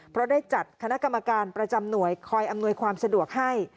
เพราะได้จัดคณะกรรมการประจำหน่วยคอยอำนวยความสะดวกให้